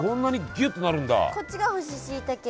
こっちが干ししいたけで。